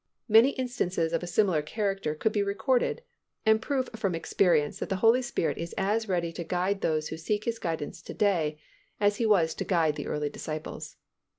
Many instances of a similar character could be recorded and prove from experience that the Holy Spirit is as ready to guide those who seek His guidance to day as He was to guide the early disciples.